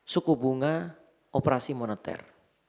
suku bunga operasi moneter